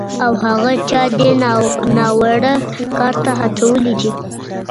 او هغه چا دې ناوړه کار ته هڅولی دی